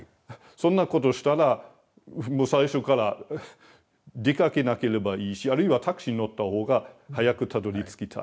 そんなことしたらもう最初から出かけなければいいしあるいはタクシーに乗ったほうが早くたどりつきたい。